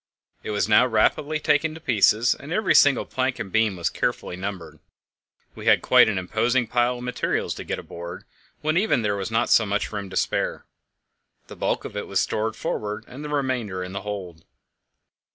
It was now rapidly taken to pieces, and every single plank and beam was carefully numbered. We had quite an imposing pile of materials to get aboard, where even before there was not much room to spare. The bulk of it was stowed forward, and the remainder in the hold.